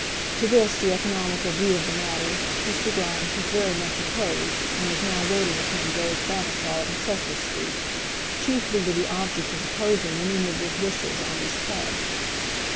To this, the economical view of the matter, Mr. Grimes was very much opposed, and was now waiting upon George Vavasor in Cecil Street, chiefly with the object of opposing the new member's wishes on this head.